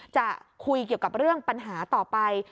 จะคุยเกี่ยวกับเรื่องปัญหาต่อไป